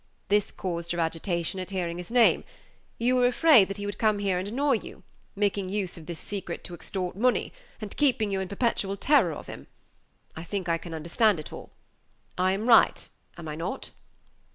This caused your agitation at hearing his name. You were afraid that he would come here and annoy you, making use of this secret to extort money, and keeping you in perpetual terror of him. I think I can understand it all. I am right, am I not?"